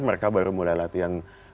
mereka baru mulai latihan